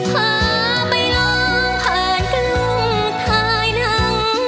พาไปลองผ่านครึ่งทายหนัง